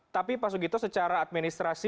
tapi pak sugito secara administrasi